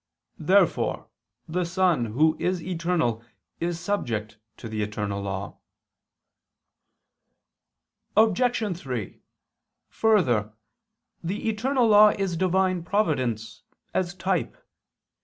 Therefore the Son, Who is eternal, is subject to the eternal law. Obj. 3: Further, the eternal law is Divine providence as a type.